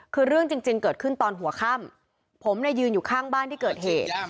คือเรื่องจริงเกิดขึ้นตอนหัวค่ำผมเนี่ยยืนอยู่ข้างบ้านที่เกิดเหตุ